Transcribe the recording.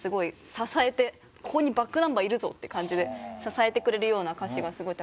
ここにｂａｃｋｎｕｍｂｅｒいるぞって感じで支えてくれるような歌詞がすごいたくさんあって。